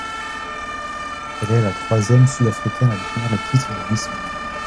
Elle est la troisième sud-africaine à détenir le titre de Miss Monde.